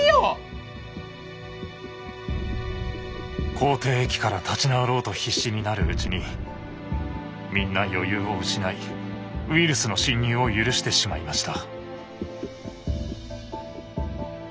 口てい疫から立ち直ろうと必死になるうちにみんな余裕を失いウイルスの侵入を許してしまいました。